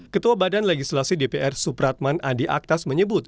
ketua badan legislasi dpr supratman andi aktas menyebut